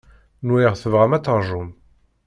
Nwiɣ tebɣam ad terjum.